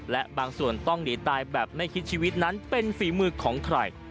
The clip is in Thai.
และบางส่วนต้องหนีตายแบบไม่คิดชีวิตนั้นเป็นฝีมือของใคร